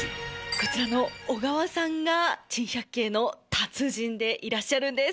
こちらの小川さんが珍百景の達人でいらっしゃるんです。